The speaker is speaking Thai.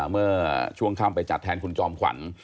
เมื่อช่วงค่ำไปจัดแทนคุณจอมขวัญ